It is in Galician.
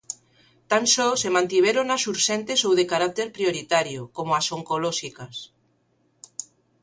Tan só se mantiveron as urxentes ou de carácter prioritario, como as oncolóxicas.